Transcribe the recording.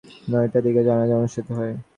নয়টার দিকে জানাজা অনুষ্ঠিত হয়।